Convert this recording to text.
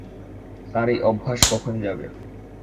তার এই অভ্যাস কখন যাবে?